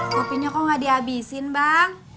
kopinya kok gak dihabisin bang